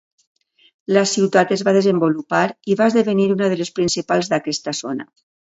La ciutat es va desenvolupar i va esdevenir una de les principals d'aquesta zona.